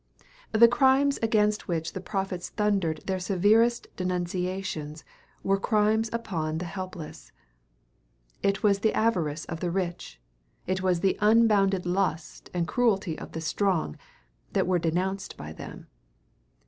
The crimes against which the prophets thundered their severest denunciations were crimes upon the helpless. It was the avarice of the rich, it was the unbounded lust and cruelty of the strong, that were denounced by them.